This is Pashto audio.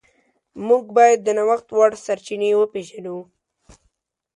موږ باید د نوښت وړ سرچینې وپیژنو.